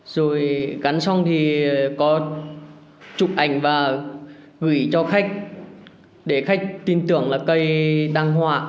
rồi gắn xong thì có chụp ảnh và gửi cho khách để khách tin tưởng là cây đang hoạ